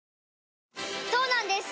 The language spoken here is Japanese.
そうなんです